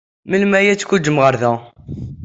Melmi ay d-tguǧǧem ɣer da?